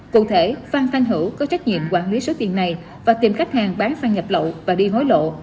cụ thể phan phan hữu có trách nhiệm quản lý số tiền này và tìm khách hàng bán pha nhập lậu và đi hối lộ